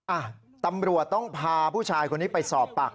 อ่ะตำรวจต้องพาผู้ชายคนนี้ไปสอบปาก